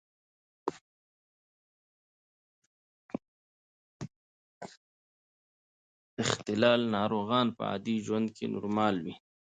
د اختلال ناروغان په عادي ژوند کې نورمال وي.